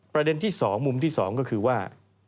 ประเด็นที่๒มุมที่๒ก็คือว่า